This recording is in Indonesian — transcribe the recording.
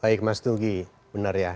baik mas tugi benar ya